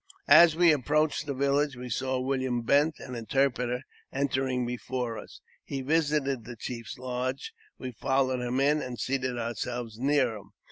As we approached the village we saw William Bent, an in terpreter, entering before us. He visited the chief's lodge we followed him in, and seated ourselves near him.